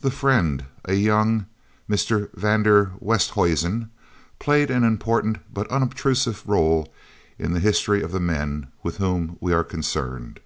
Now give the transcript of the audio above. This friend, a young Mr. van der Westhuizen, played an important but unobtrusive rôle in the history of the men with whom we are concerned.